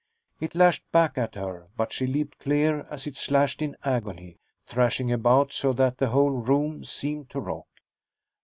It lashed back at her, but she leaped clear as it slashed in agony, thrashing about so that the whole room seemed to rock.